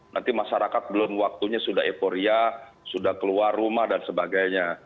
nanti masyarakat belum waktunya sudah eporia sudah keluar rumah dan sebagainya